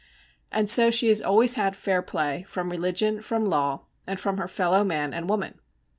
And so she has always had fair play, from religion, from law, and from her fellow man and woman.